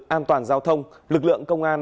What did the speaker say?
an toàn giao thông lực lượng công an